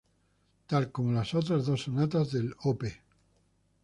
Tal como las otras dos sonatas del Op.